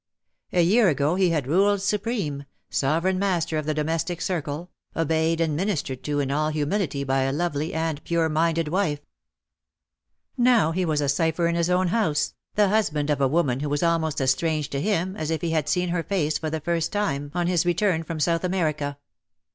A year ago he had ruled supreme, sovereign master of the domestic circle, obeyed and ministered to in all humility by a lovely and pure minded wife. Now he was a cipher in his own house, the husband of a woman who was almost as strange to him as if he had seen her face for the first time on his return from n2 180 " THOU SHOULDST COME LIKE A FURY South America.